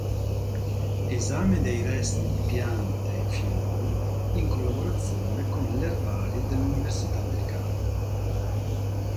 Esame dei resti di piante e fiori in collaborazione con l’Erbario dell’Università del Cairo.